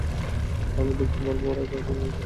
তাহলে দেখতে পারব ওরা কাকে কল করছে বা কী মেসেজ দিচ্ছে।